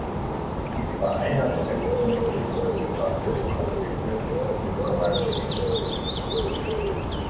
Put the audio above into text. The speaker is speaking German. Dies war einer der letzten größeren bewaffneten Konflikte mit Comanche-Kriegern.